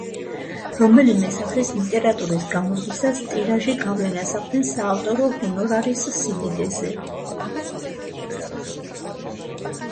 რომელიმე სახის ლიტერატურის გამოსვლისას ტირაჟი გავლენას ახდენს საავტორო ჰონორარის სიდიდეზე.